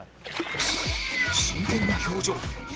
真剣な表情